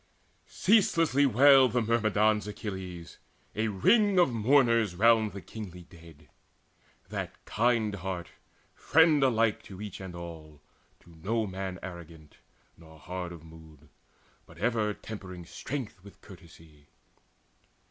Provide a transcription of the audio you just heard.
Ceaselessly wailed the Myrmidons Achilles, A ring of mourners round the kingly dead, That kind heart, friend alike to each and all, To no man arrogant nor hard of mood, But ever tempering strength with courtesy.